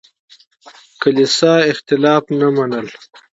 کليسا اختلاف نه منله.